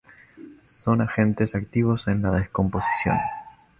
Son agentes activos en la descomposición.